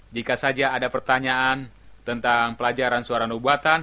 jika saja ada pertanyaan tentang pelajaran suara nubuatan